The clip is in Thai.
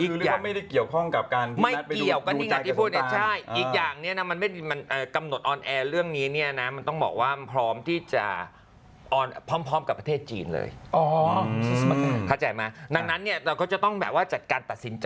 ก็คือไม่ได้เกี่ยวพร้อมกับการ